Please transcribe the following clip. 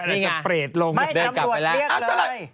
นี่ไงไม่ตำรวจเรียกเลย